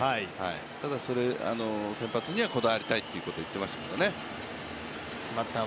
ただ、先発にはこだわりたいと言っていましたけどね。